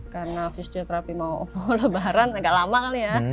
karena fisioterapi mau lebaran agak lama kali ya